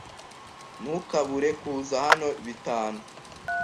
Ntukabure kuza hano bitanu.